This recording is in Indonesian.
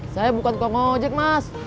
saya bukan kong ojek mas